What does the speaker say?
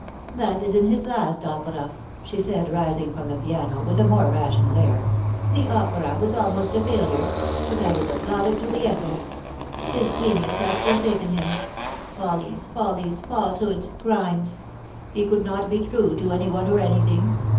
" That is in his last opera," she said, rising from the piano, with a more rational air. " The opera was almost a failure ; but I was applauded to the echo. His genius had forsaken him. Follies, follies, falsehoods, crimes. He could not be true to any one or anything.